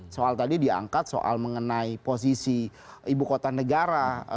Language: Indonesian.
soal tadi diangkat soal mengenai posisi ibu kota negara